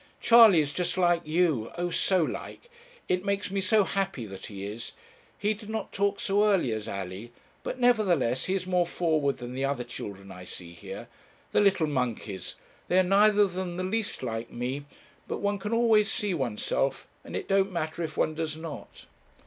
Charley is just like you oh! so like. It makes me so happy that he is. He did not talk so early as Alley, but, nevertheless, he is more forward than the other children I see here. The little monkeys! they are neither of them the least like me. But one can always see oneself, and it don't matter if one does not.'